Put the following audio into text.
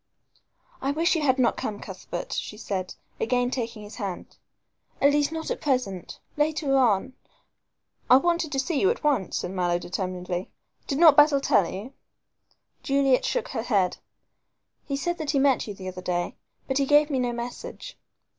"I wish you had not come, Cuthbert," she said, again taking his hand, "at least not at present. Later on " "I wanted to see you at once," said Mallow, determinedly. "Did not Basil tell you so?" Juliet shook her head. "He said he met you the other day, but gave me no message."